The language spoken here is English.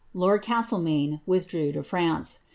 Lord Castlemaine withdrew to France.